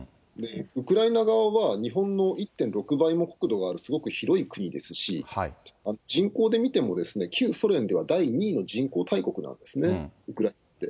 ウクライナ側は日本の１．６倍も国土がある、すごく広い国ですし、人口で見てもですね、旧ソ連では第２位の人口大国なんですね、ウクライナって。